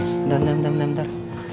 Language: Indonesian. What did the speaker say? bentar bentar bentar